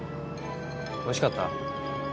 おいしかった？